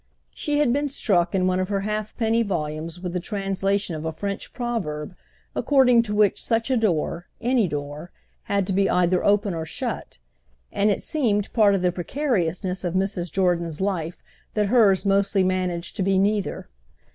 She had been struck in one of her ha'penny volumes with the translation of a French proverb according to which such a door, any door, had to be either open or shut; and it seemed part of the precariousness of Mrs. Jordan's life that hers mostly managed to be neither.